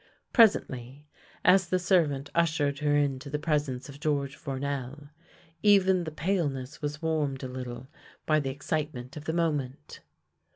Pres ently, as the servant ushered her into the presence of George Fournel, even the paleness was warmed a little by the excitement of the moment.